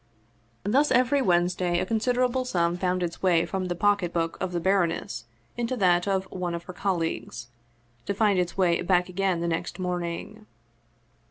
Thus every Wednesday a considerable sum found its way from the pocketbook of the baroness into that of one of her colleagues, to find its way back again the next morning.